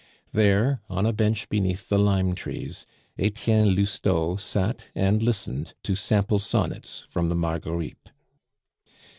There, on a bench beneath the lime trees, Etienne Lousteau sat and listened to sample sonnets from the Marguerites.